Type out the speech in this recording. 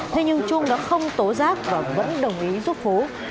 thế nhưng trung đã không tố giác và vẫn đồng ý giúp phú